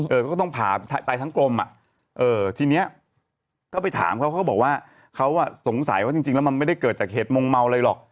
ก็ต้องผ่าตายทั้งกลมอ่ะเออทีเนี้ยก็ไปถามเขาเขาก็บอกว่าเขาอ่ะสงสัยว่าจริงแล้วมันไม่ได้เกิดจากเหตุมงเมาอะไรหรอก